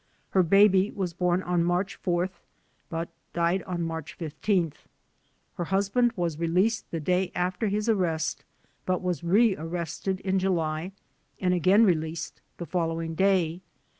Her baby was born on March 4, but died on March 15. Her hus band was released the day after his arrest, but was rear rested in July and again released the following day.